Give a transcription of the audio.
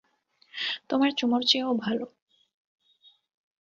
তোমার চুমোর চেয়েও ভালো।